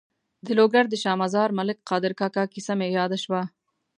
د لوګر د شا مزار ملک قادر کاکا کیسه مې یاده شوه.